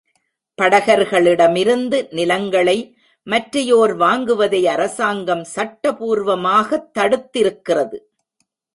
படகர்களிடமிருந்து நிலங்களை மற்றையோர் வாங்குவதை அரசாங்கம் சட்ட பூர்வமாகத் தடுத்திருக்கிறது.